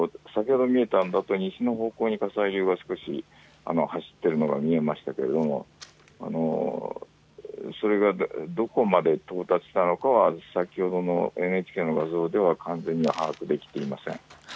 ある方向には先ほど見えた西のほうに火砕流が少し走っているのが見えましたけれどもそれがどこまで到達したのかは先ほどの画像では完全には把握できていません。